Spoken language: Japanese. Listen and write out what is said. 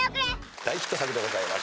大ヒット作でございました。